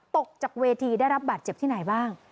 ตกจากเวทีได้รับบาดเจ็บที่ไหนบ้าง